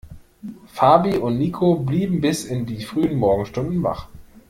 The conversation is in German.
Fabi und Niko blieben bis in die frühen Morgenstunden wach.